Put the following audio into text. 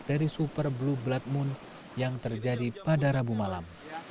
dari super blue blood moon yang terjadi pada rabu malam